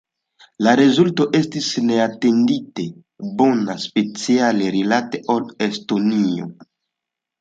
La rezulto estis neatendite bona, speciale rilate al Estonio.